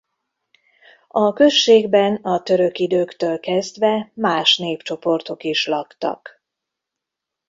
A községben a török időktől kezdve más népcsoportok is laktak.